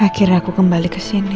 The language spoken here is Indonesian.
akhirnya aku kembali ke sini